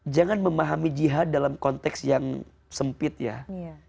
jangan memahami jihad dalam konteks yang sempit ya